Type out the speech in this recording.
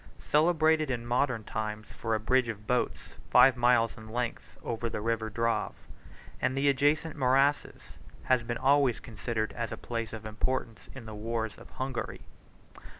] The city of Mursa, or Essek, celebrated in modern times for a bridge of boats, five miles in length, over the River Drave, and the adjacent morasses, 82 has been always considered as a place of importance in the wars of Hungary.